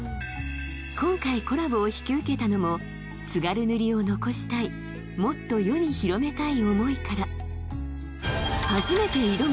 今回コラボを引き受けたのも津軽塗を残したいもっと世に広めたい思いから初めて挑む